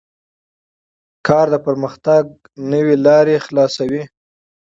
کار د پرمختګ نوې لارې پرانیزي